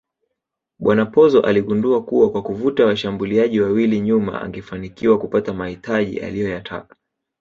Bwana Pozzo aligundua kuwa kwa kuvuta washgambuliaji wawili nyuma angefanikiwa kupata mahitaji aliyoyataka